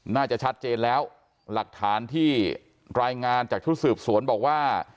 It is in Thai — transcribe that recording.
น่าจะชัดเจนแล้วหลักฐานที่รายงานจากชุดสืบสวนบอกว่า